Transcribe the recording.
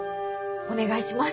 お願いします。